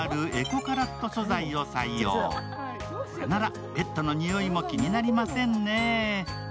これならペットのにおいもきになりませんね。